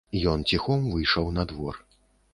Ён ціхом выйшаў на двор.